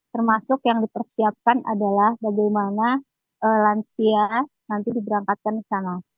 termasuk yang dipersiapkan adalah bagaimana lansia nanti diberangkatkan ke sana